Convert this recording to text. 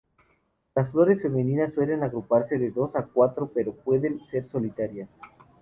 Las flores femeninas suelen agruparse de dos a cuatro, pero pueden ser solitarias.